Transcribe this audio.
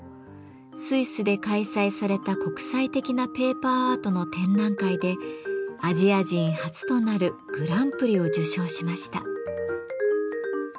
スイスで開催された国際的なペーパーアートの展覧会でアジア人初となるグランプリを受賞しました。